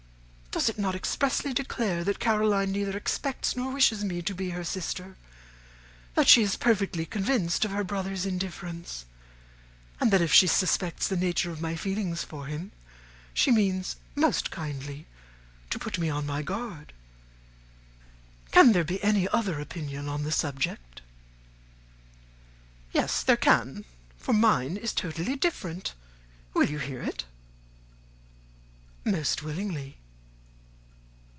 Does it not expressly declare that Caroline neither expects nor wishes me to be her sister; that she is perfectly convinced of her brother's indifference; and that if she suspects the nature of my feelings for him she means (most kindly!) to put me on my guard. Can there be any other opinion on the subject?" "Yes, there can; for mine is totally different. Will you hear it?" "Most willingly."